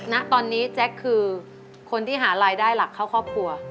ณตอนนี้แจ๊คคือคนที่หารายได้หลักเข้าครอบครัว